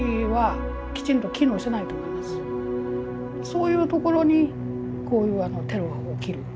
そういうところにこういうテロが起きる。